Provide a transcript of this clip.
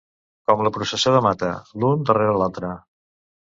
Com la processó de Mata: l'un darrere l'altre.